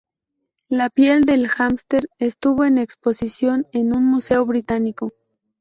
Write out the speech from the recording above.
La piel del hámster estuvo en exposición en un museo británico.